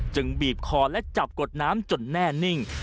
บีบคอและจับกดน้ำจนแน่นิ่ง